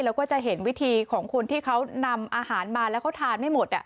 แล้วก็จะเห็นวิธีของคนที่เขานำอาหารมาแล้วเขาทานไม่หมด